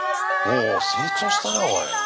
おお成長したなおい。